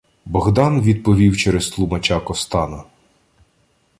Богдан відповів через тлумача Костана: